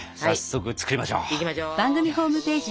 いきましょう。